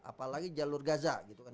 apalagi jalur gaza gitu kan